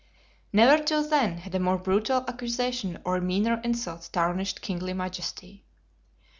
Never till then had a more brutal accusation or meaner insults tarnished kingly majesty.